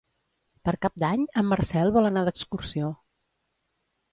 Per Cap d'Any en Marcel vol anar d'excursió.